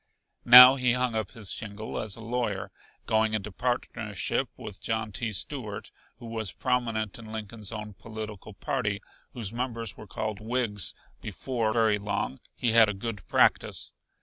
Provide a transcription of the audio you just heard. Now he hung up his shingle as a lawyer, going into partnership with John T. Stuart who was prominent in Lincoln's own political party, whose members were called Whigs. Before very long he had a good practice.